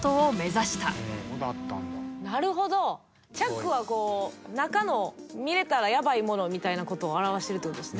なるほどチャックはこう中の見れたらヤバイものみたいなことを表してるってことですね。